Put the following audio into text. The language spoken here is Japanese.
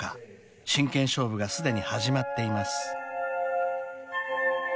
［真剣勝負がすでに始まっています］